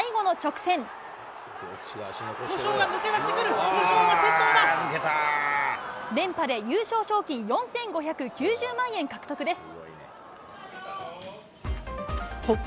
古性が抜け出してくる、連覇で優勝賞金４５９０万円獲得です。